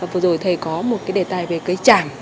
vừa rồi thầy có một đề tài về cây chảm